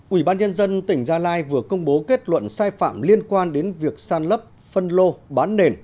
ủy ban nhân dân tỉnh gia lai vừa công bố kết luận sai phạm liên quan đến việc san lấp phân lô bán nền